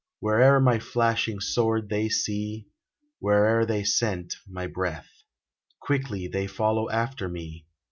Where'er my flashing sword they see, Where'er they scent my breath. Quickly they follow after me.